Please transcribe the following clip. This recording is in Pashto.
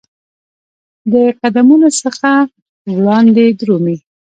د قدمونو څخه وړاندي درومې